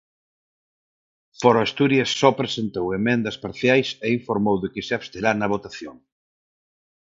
Foro Asturias só presentou emendas parciais e informou de que se absterá na votación.